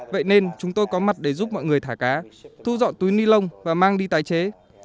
vậy nên chúng tôi có mặt để giúp mọi người thả cá thu dọn túi ni lông và mang đi tái chế